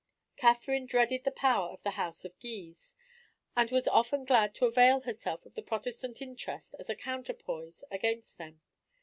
Catherine dreaded the power of the house of Guise; and was often glad to avail herself of the Protestant interest as a counterpoise against them.